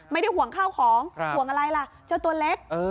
ไม่ได้ห่วงข้าวของห่วงอะไรล่ะเจ้าตัวเล็ก